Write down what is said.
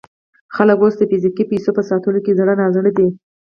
خلک اوس د فزیکي پیسو په ساتلو کې زړه نا زړه دي.